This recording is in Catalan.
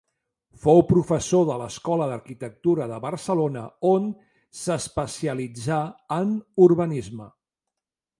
Fou professor de l'Escola d'Arquitectura de Barcelona on s'especialitzà en urbanisme.